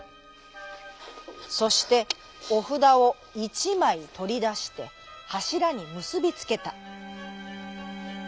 そしておふだをいちまいとりだしてはしらにむすびつけた。